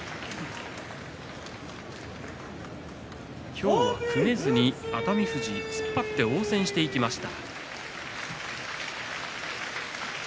今日は組めずに熱海富士、突っ張って応戦していきました。